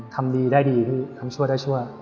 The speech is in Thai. ทำดีได้ดีพี่ทำชั่วได้ชั่ว